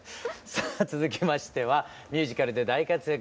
さあ続きましてはミュージカルで大活躍